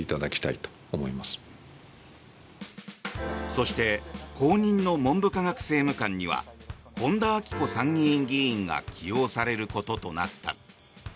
そして後任の文部科学政務官には本田顕子参議院議員が起用されることとなった。